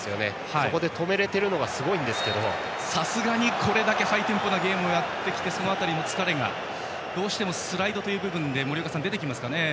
そこで止められているのがさすがにこれだけハイテンポなゲームをやってきてその辺りの疲れがどうしてもスライドの部分で出てきますかね。